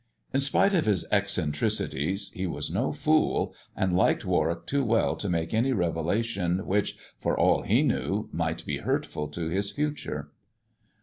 In spite of his eccentricities he was no fool, and liked Warwick too well to make any revelation which, for all he knew, might be hurtful to his future.